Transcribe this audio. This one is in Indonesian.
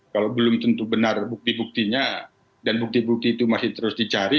kalau belum tentu benar bukti buktinya dan bukti bukti itu masih terus dicari